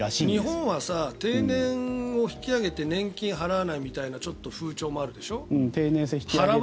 日本は定年を引き上げて年金を払わないみたいなちょっと風潮もあるでしょ。